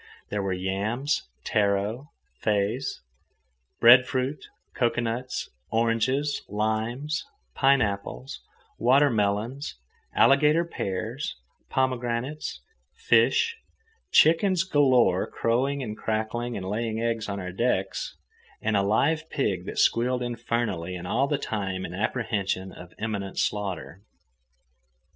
There were yams, taro, feis, breadfruit, cocoanuts, oranges, limes, pineapples, watermelons, alligator pears, pomegranates, fish, chickens galore crowing and cackling and laying eggs on our decks, and a live pig that squealed infernally and all the time in apprehension of imminent slaughter.